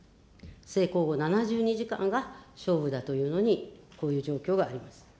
性交後７２時間が勝負だというのに、こういう状況があります。